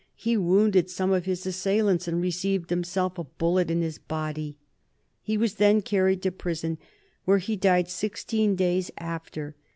He wounded some of his assailants, and received himself a bullet in his body. He was then carried to prison, where he died sixteen days after.